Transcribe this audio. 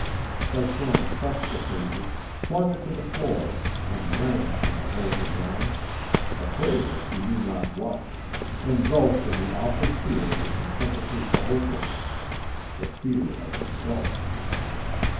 Cyclona crushed the paper, flung it to the floor and ran from the hole in the ground, afraid of she knew not what, engulfed in the awful fear which encompasses the hopeless, the fear of herself.